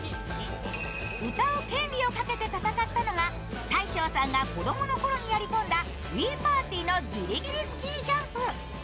歌う権利をかけて戦ったのが大昇さんが子供の頃にやりこんだ「ＷｉｉＰａｒｔｙ」の「ぎりぎりスキージャンプ」。